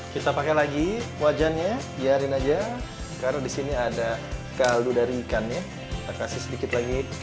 kita pakai lagi wajannya biarin aja karena di sini ada kaldu dari ikannya kita kasih sedikit lagi